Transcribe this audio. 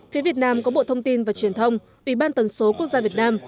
phía việt nam có bộ thông tin và truyền thông ủy ban tần số quốc gia việt nam